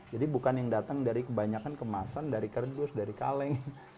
jadi bukan yang datang dari kebanyakan kemasan dari kerdus dari kaleng